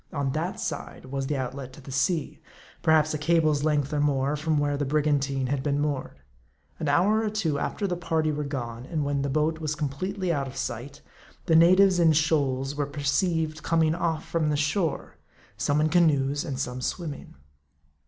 On that side, was the outlet to the sea ; perhaps a cable's length or more from where the brigantine had been moored. An hour or two after the party were gone, and when the boat was completely out of sight, the natives in shoals were perceived coming off from the shore ; some in canoes, and some swimming.